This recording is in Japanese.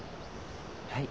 はい？